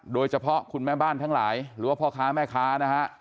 คุณแม่บ้านทั้งหลายหรือว่าพ่อค้าแม่ค้านะฮะ